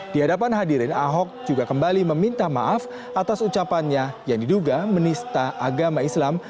di hadapan hadirin ahok juga kembali meminta maaf atas ucapannya yang diduga menista agama islam